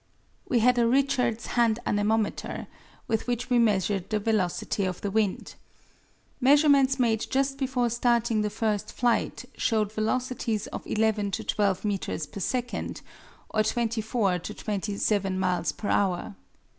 We had a "Richards" hand anemometer with which we measured the velocity of the wind. Measurements made just before starting the first flight showed velocities of 11 to 12 meters per second, or 24 to 27 miles per hour.